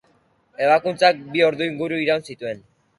Ebakuntzak bi ordu inguru iraun zituen.